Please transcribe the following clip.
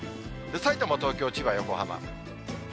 さいたま、東京、千葉、横浜。